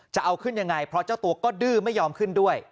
จะเอาขึ้นยังไงเพราะเจ้าตัวก็ดื้อไม่ยอมขึ้นด้วย